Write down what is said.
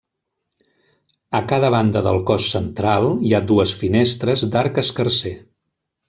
A cada banda del cos central hi ha dues finestres d'arc escarser.